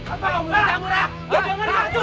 apa lo murah murah